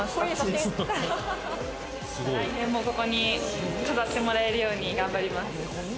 来年もここに飾ってもらえるように頑張ります。